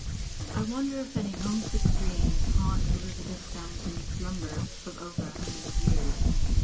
I wonder if any homesick dreams haunt Elizabeth Townsend's slumber of over a hundred years!